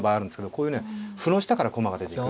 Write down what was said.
こういうね歩の下から駒が出ていく。